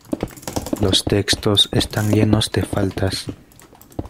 Los textos están llenos de faltas.